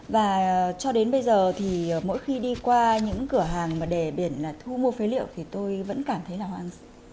và cho đến bây giờ thì mỗi khi đi qua những cửa hàng mà đề biển là thu mua phế liệu thì tôi vẫn cảm thấy là hoảng sợ